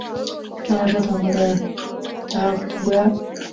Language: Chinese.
丈夫是同业后藤圭二。